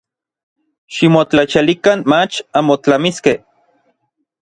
Ximotlachialikan mach anmotlamiskej.